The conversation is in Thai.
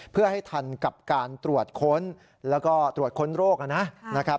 เพื่อให้ทันกับการตรวจค้นแล้วก็ตรวจค้นโรคนะครับ